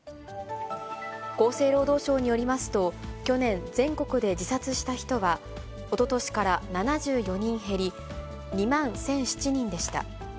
厚生労働省によりますと、去年、全国で自殺した人は、おととしから７４人減り、２万１００７人でした。